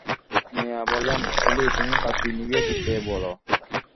মিয়া বললেন, এলি, তুমি বাতি নিভিয়ে দিতে বল।